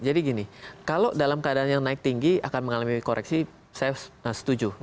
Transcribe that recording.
jadi gini kalau dalam keadaan yang naik tinggi akan mengalami koreksi saya setuju